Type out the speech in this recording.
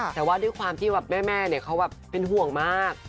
แต่ว่าที่แม่เขาเป็นห่วงมาก